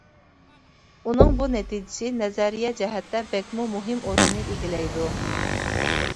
ئۇنىڭ بۇ نەتىجىسى نەزەرىيە جەھەتتە بەكمۇ مۇھىم ئورۇننى ئىگىلەيدۇ.